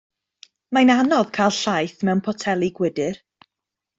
Mae'n anodd cael llaeth mewn poteli gwydr.